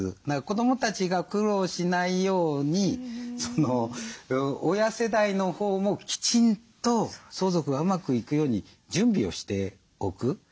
だから子どもたちが苦労しないように親世代のほうもきちんと相続がうまくいくように準備をしておく。